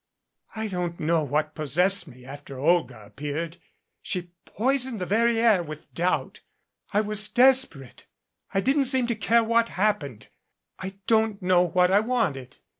"I don't know what possessed me after Olga appeared. She poisoned the very air with doubt. I was desperate. I didn't seem to care what happened. I don't know what I wanted.